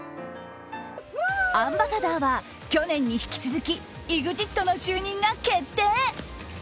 アンバサダーは、去年に引き続きＥＸＩＴの就任が決定。